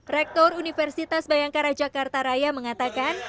rektor universitas bayangkara jakarta raya mengatakan